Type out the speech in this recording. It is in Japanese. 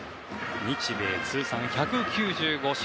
日米通算１９５勝。